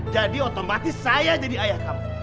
jadi otomatis saya jadi ayah kamu